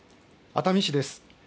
熱海市です。